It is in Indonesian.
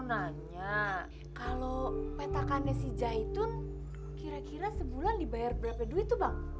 bang ayah mau nanya kalau petakannya si zaitun kira kira sebulan dibayar berapa duit tuh bang